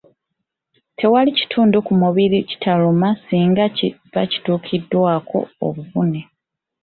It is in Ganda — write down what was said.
Tewali kitundu ku mubiri kitaluma singa kiba kituukiddwako obuvune.